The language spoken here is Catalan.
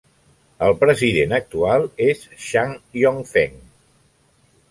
El president actual és Shang Yongfeng.